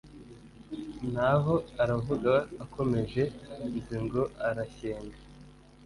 naho aravuga akomeje nzingo arashyenga